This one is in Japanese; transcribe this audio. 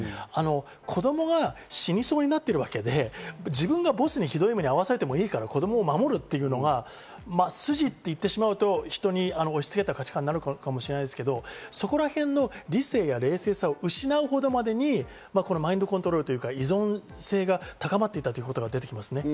子供が死にそうになっているわけで、自分がボスにひどい目に遭わされてもいいから子供を守るというのが筋といってしまうと人に押し付けた価値観になるかもしれないですけど、そこらへんの理性や冷静さを失うほどまでにマインドコントロールというか、依存性が高まっていたということはできますね。